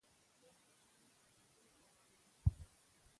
زه د خبرونو اورېدل خوښوم.